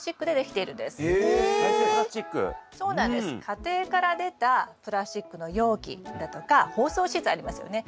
家庭から出たプラスチックの容器だとか包装資材ありますよね。